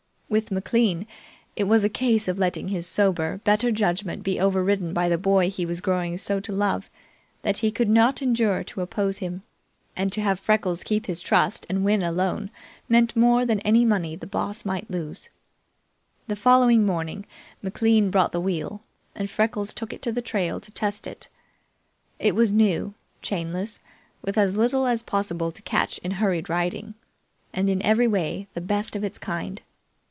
With McLean it was a case of letting his sober, better judgment be overridden by the boy he was growing so to love that he could not endure to oppose him, and to have Freckles keep his trust and win alone meant more than any money the Boss might lose. The following morning McLean brought the wheel, and Freckles took it to the trail to test it. It was new, chainless, with as little as possible to catch in hurried riding, and in every way the best of its kind.